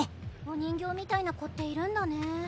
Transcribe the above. お人形みたいな子っているんだね。